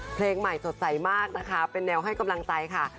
เพลงใหม่สดใสมากนะคะเป็นแนวให้กำลังใจค่ะ